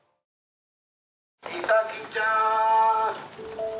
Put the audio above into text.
美咲ちゃーん。